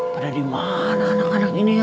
pada dimana anak anak ini ya